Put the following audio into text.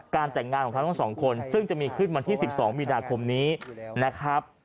แต่งงานของเขาทั้งสองคนซึ่งจะมีขึ้นวันที่๑๒มีนาคมนี้นะครับ